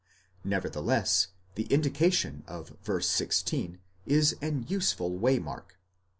Nevertheless, the indication of v. 16 is an useful way mark.